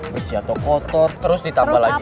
bersih atau kotor terus ditambah lagi